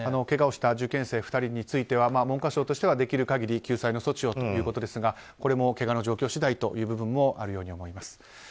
けがをした受験生２人については文科省としてはできる限り救済の措置をということですがこれもけがの状況次第という部分もあるように思います。